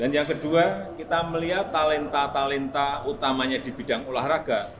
dan yang kedua kita melihat talenta talenta utamanya di bidang olahraga